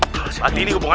mereka itu dibawa ke hutan